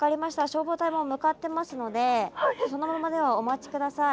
消防隊もう向かってますのでそのままではお待ち下さい。